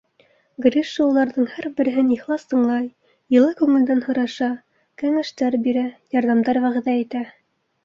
Гриша уларҙың һәр береһен ихлас тыңлай, йылы күңелдән һораша, кәңәштәр бирә, ярҙамдар вәғәҙә итә.